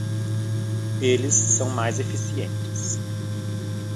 Eles são mais eficientes